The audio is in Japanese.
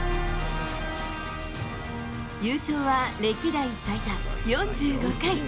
優勝は歴代最多４５回。